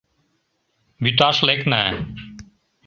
Вӱташ лекна.